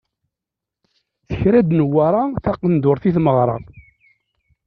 Tekra-d Newwara taqendurt i tmeɣra.